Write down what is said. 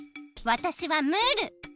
わたしはムール。